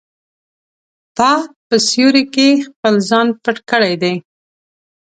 تا په سیوري کې خپل ځان پټ کړی دی.